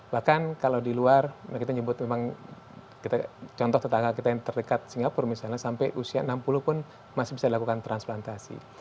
bahkan kalau di luar kita nyebut memang contoh tetangga kita yang terdekat singapura misalnya sampai usia enam puluh pun masih bisa dilakukan transplantasi